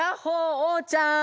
おうちゃん！